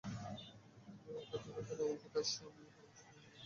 কাছের লোকজন এমনকি তাঁর স্বামীও পরামর্শ দেন লেখাটা বন্ধ করার জন্য।